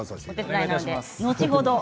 後ほど。